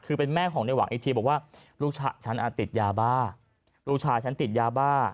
คือเป็นแม่ของในหวังอีกทีบอกว่าลูกชายฉันอ่ะติดยาบ้าลูกชายฉันติดยาบ้า